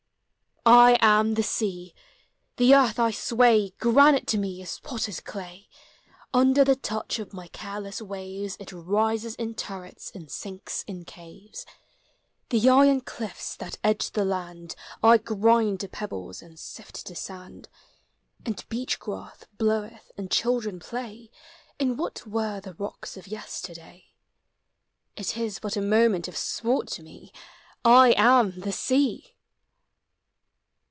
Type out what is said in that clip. I am the Sea. The earth I sway ; Granite to me is potter's clay ; Under the touch of my careless waves It rises in turrets and sinks in caves; The iron cliffs that edge the land I grind to pebbles and sift to sand, And beach grass bloweth and children play In what were the rocks of yesterday ; It is but a moment of sport to me — I am the Sea!